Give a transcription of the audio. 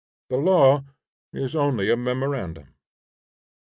The law is only a memorandum.